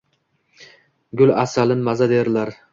Gul asalin maza derlar